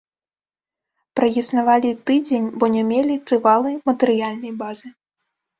Праіснавалі тыдзень, бо не мелі трывалай матэрыяльнай базы.